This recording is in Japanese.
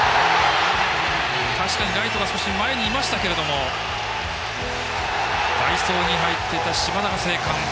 ライトが少し前にいましたけど代走に入っていた島田が生還。